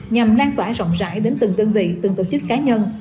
nhằm lan tỏa rộng rãi đến từng đơn vị từng tổ chức cá nhân